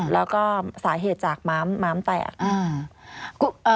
แล้วก็สาเหตุจากม้ามแตก